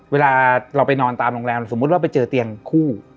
เวลาเราไปนอนตามโรงแรมสมมุติว่าไปเจอเตียงคู่